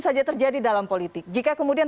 saja terjadi dalam politik jika kemudian